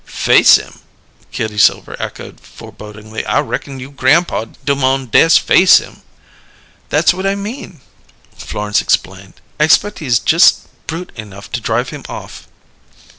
"'Face' him!" Kitty Silver echoed forebodingly. "I reckon you' grampaw do mo'n dess 'face' him." "That's what I mean," Florence explained. "I expect he's just brute enough to drive him off."